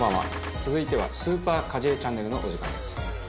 続いては「スーパー家Ｊチャンネル」のお時間です。